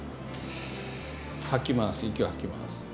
吐きます。